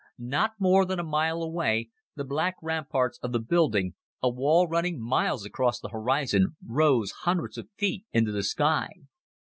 Not more than a mile away, the black ramparts of the building a wall running miles across the horizon rose hundreds of feet into the sky.